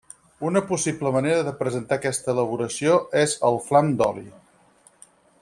Una possible manera de presentar aquesta elaboració és el flam d’oli.